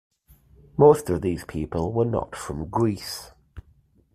Most of these people were not from Greece.